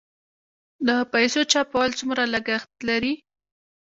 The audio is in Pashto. د پیسو چاپول څومره لګښت لري؟